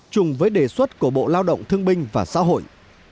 chung với đề xuất của bộ lao động thương binh và xã hội